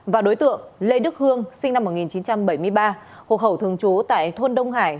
và đối tượng lê đức hương sinh năm một nghìn chín trăm bảy mươi ba hộ khẩu thường trú tại thôn đông hải